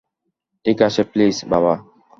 ঠিক আছে প্লিজ, বাবা।